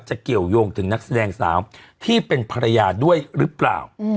เกี่ยวยงถึงนักแสดงสาวที่เป็นภรรยาด้วยหรือเปล่า